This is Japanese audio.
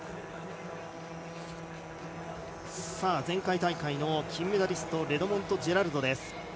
前回大会の金メダリストレドモンド・ジェラルドです。